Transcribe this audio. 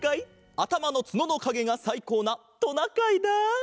あたまのつののかげがさいこうなトナカイだ。